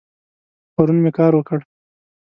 پرون می کار وکړ